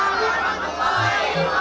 selamat pagi su